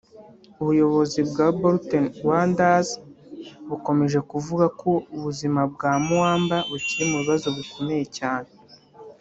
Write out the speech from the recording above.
ubuyobozi bwa Bolton Wanderers bukomeje kuvuga ko ubizima bwa Muamba bukiri mu bibazo bikomeye cyane